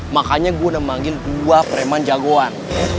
makanya gue udah memanggil dua preman jagoan